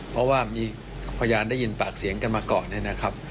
เพราะว่ามีพยานได้ยินปากเสียงกันมาก่อนเนี่ยนะครับ